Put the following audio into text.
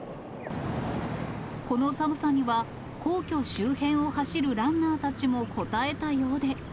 この寒さには、皇居周辺を走るランナーたちもこたえたようで。